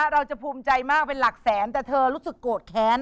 เราจะภูมิใจมากเป็นหลักแสนแต่เธอรู้สึกโกรธแค้น